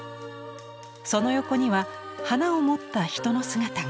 その横には花を持った人の姿が。